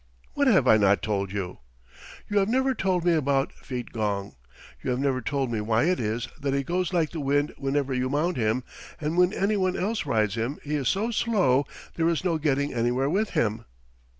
"What have I not told you?" "You have never told me about Feetgong; you have never told me why it is that he goes like the wind whenever you mount him, and when any one else rides him he is so slow there is no getting anywhere with him."